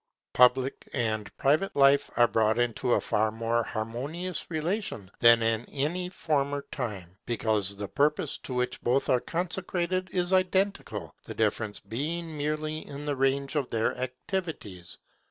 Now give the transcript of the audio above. Public and private life are brought into a far more harmonious relation than in any former time, because the purpose to which both are consecrated is identical; the difference being merely in the range of their activities.